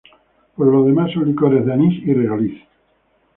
Por lo demás son licores de anís y regaliz.